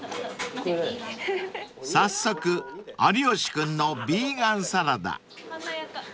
［早速有吉君のヴィーガンサラダ］華やか。